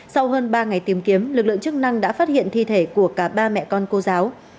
sau hơn ba ngày tìm kiếm lực lượng chức năng đã phát hiện thi thể của cả ba mẹ con cô giáo